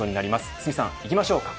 堤さん、いきましょうか。